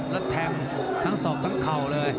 แล้วแทงทั้งศอกทั้งเข่าเลย